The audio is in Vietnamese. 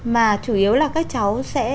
mà chủ yếu là các cháu sẽ